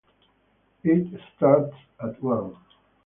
It starts at one